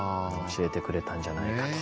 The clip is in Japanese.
教えてくれたんじゃないかと。